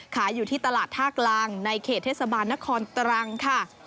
ขายอยู่ที่ตลาดท่ากลางในเขตเทศบาลนครตรังค่ะ